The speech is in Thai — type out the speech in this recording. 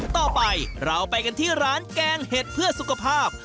ต่อไปเราไปกันที่ร้านแกงเห็ดเพื่อสุขภาพ